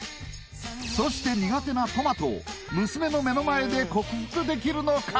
そして苦手なトマトを娘の目の前で克服できるのか！？